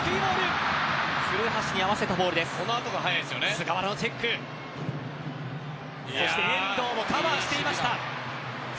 菅原のチェック、そして遠藤もカバーしていた。